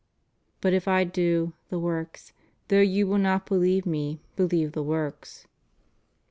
But if I do (the works), though you will not believe Me, believe the works?